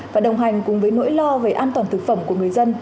và đồng hành cùng với nỗi lo về an toàn thực phẩm của người dân